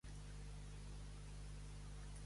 Més val que s'enganye algú que la collita.